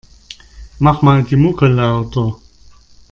Mach mal die Mucke lauter.